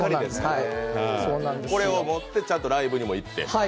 これをもって、ちゃんとライブにも行って。